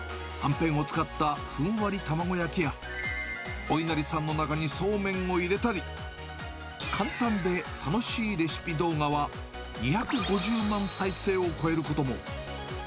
はんぺんを使ったふんわり卵焼きや、おいなりさんの中にそうめんを入れたり、簡単で楽しいレシピ動画は、２５０万再生を超えることも。